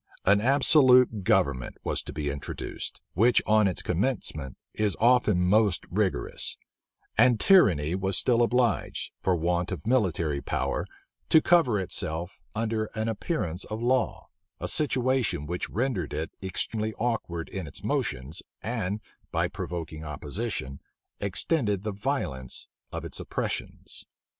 An absolute government was to be introduced, which on its commencement is often most rigorous; and tyranny was still obliged, for want of military power, to cover itself under an appearance of law; a situation which rendered it extremely awkward in its motions, and, by provoking opposition, extended the violence of its oppressions.